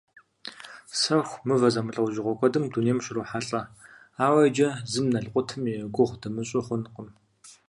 Сэху мывэ зэмылӀэужьыгъуэ куэдым дунейм ущрохьэлӀэ, ауэ иджыри зым налкъутым и гугъу дымыщӀу хъункъым.